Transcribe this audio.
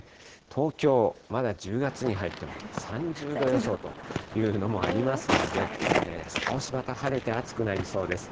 東京、まだ１０月に入っても３０度予想というのもありますので、少しまた晴れて暑くなりそうです。